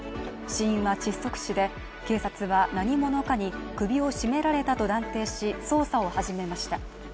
死因は窒息死で、警察は何者かに首を絞められたと断定し捜査を始めました。